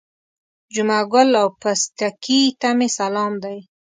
جمعه ګل او پستکي ته مې سلام دی.